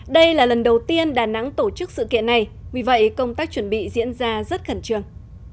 đây là lần đầu tiên đà nẵng tổ chức sự kiện này vì vậy công tác chuẩn bị diễn ra rất khẩn trương